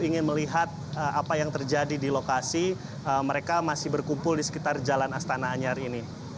ingin melihat apa yang terjadi di lokasi mereka masih berkumpul di sekitar jalan astana anyar ini